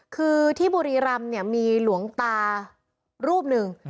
คือที่บุรีรำเนี่ยมีหลวงตารูปหนึ่ง